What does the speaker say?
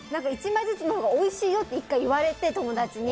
１枚ずつのほうがおいしいよって１回言われて友達に。